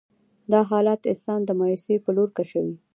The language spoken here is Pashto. دا حالات انسان د مايوسي په لور کشوي.